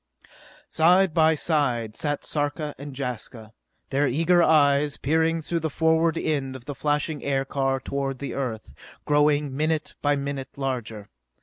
Side by side sat Sarka and Jaska, their eager eyes peering through the forward end of the flashing aircar toward the Earth, growing minute by minute larger.